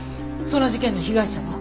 その事件の被害者は？